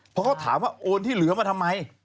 เพราะเขาถามว่าโอนที่เหลือมาทำไม